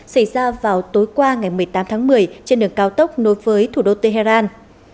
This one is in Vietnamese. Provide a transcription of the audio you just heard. xảy ra vào tối qua ngày một mươi tám tháng một mươi trên đường cao tốc nối với thủ đô tehran